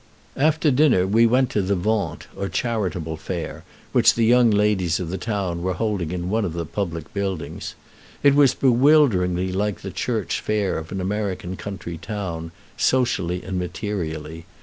After dinner we went to the vente, or charitable fair, which the young ladies of the town were holding in one of the public buildings. It was bewilderingly like the church fair of an American country town, socially and materially.